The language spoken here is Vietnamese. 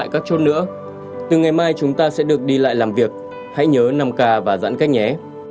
còn nữa từ ngày mai chúng ta sẽ được đi lại làm việc hãy nhớ năm k và giãn cách nhé